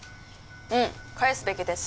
うん返すべきです。